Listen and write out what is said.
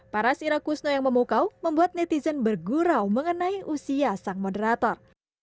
para sira kusno yang memukau membuat netizen bergurau mengenai usia sang moderator